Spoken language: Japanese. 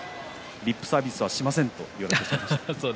リップサービスはしませんと言われました。